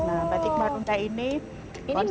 nah batik marunda ini